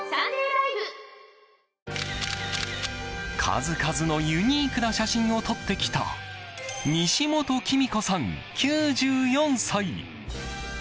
数々のユニークな写真を撮ってきた西本喜美子さん、９４歳。